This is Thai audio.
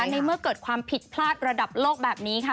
ในเมื่อเกิดความผิดพลาดระดับโลกแบบนี้ค่ะ